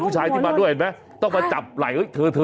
อาการเลิภแบบว่าไม่ปกติแล้ว